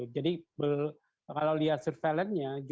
jadi kalau lihat surveillance nya